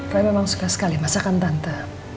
tapi memang suka sekali masakan tante